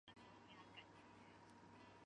他领导奥斯曼军队击败了尕勒莽王朝。